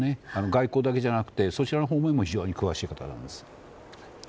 外交だけじゃなくてそちらのほうにも非常に詳しい方なんです。